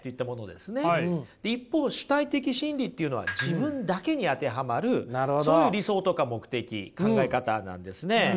一方主体的真理っていうのは自分だけに当てはまるそういう理想とか目的考え方なんですね。